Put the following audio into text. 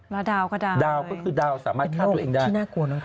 แล้วดาวก็ได้เป็นโรคที่น่ากลัวละเท่าเหรอ